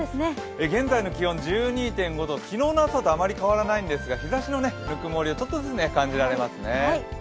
現在の気温１２．５度、昨日の朝とあまり変わらないんですが、日ざしのぬくもりをちょっとずつ感じられますね。